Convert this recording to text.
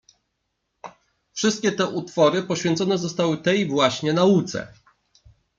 "Wszystkie te utwory poświęcone zostały tej właśnie nauce."